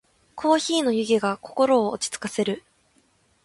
コーヒーの湯気が心を落ち着かせる。